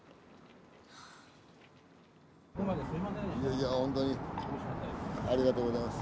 いやほんとにありがとうございます。